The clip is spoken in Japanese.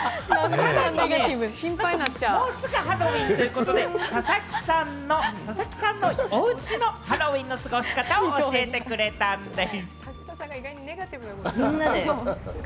さらに、もうすぐハロウィーンということで、佐々木さんのおうちのハロウィーンの過ごし方を教えてくれたんでぃす。